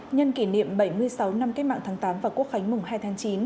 nhân kỷ niệm bảy mươi sáu năm cách mạng tháng tám và quốc khánh mùng hai tháng chín